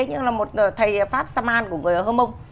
như là một thầy pháp saman của người ở hơm mông